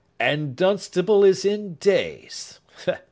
"And Dunstable is in Day's.